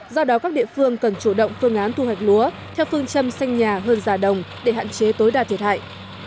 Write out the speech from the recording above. do đó các địa phương cần chủ động phương án thu hoạch lúa theo phương châm xanh nhà hơn già đồng để hạn chế tối đa thiệt hại